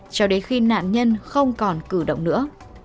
cho đến khi nạn nhân không còn cử động nữa